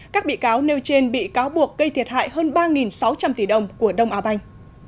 các bị cáo nêu trên bị cáo buộc gây thiệt hại hơn ba sáu trăm linh tỷ đồng của đông á banh